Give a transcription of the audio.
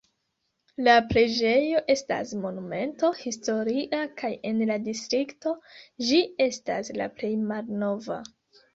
La preĝejo estas Monumento historia kaj en la distrikto ĝi estas la plej malnova.